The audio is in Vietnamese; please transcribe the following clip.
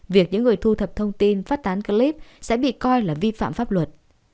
việc những người thu thập thông tin phát tán clip sẽ bị coi là vi phạm pháp luật